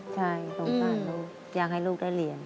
ใช่สงสารลูกอยากให้ลูกได้เรียน